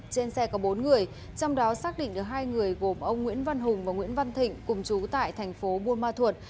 trên xe có bốn người trong đó xác định được hai người gồm ông nguyễn văn hùng và nguyễn văn thịnh cùng chú tại tp bùa ma thuột